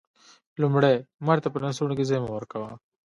لومړی: مار ته په لستوڼي کی ځای مه ورکوه